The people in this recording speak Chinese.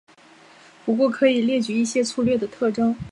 不过可以列举一些粗略的特征。